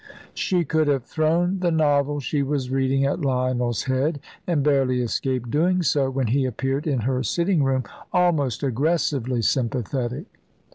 She could have thrown the novel she was reading at Lionel's head, and barely escaped doing so, when he appeared in her sitting room, almost aggressively sympathetic.